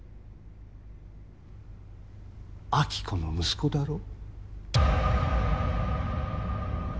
暁子の息子だろ？